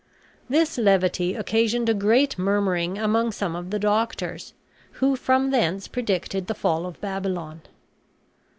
This levity occasioned a great murmuring among some of the doctors, who from thence predicted the fall of Babylon.